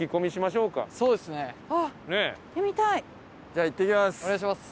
じゃあ行ってきます。